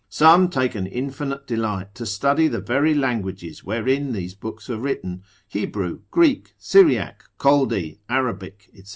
Some take an infinite delight to study the very languages wherein these books are written, Hebrew, Greek, Syriac, Chaldee, Arabic, &c.